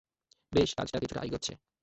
বেশ, কাজ কিছুটা এগোচ্ছে।